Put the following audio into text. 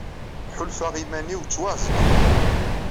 Ḥulfaɣ i yiman-inu ttwaɛezleɣ.